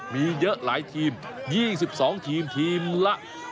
มีเยอะหลายทีม๒๒ทีมทีมละ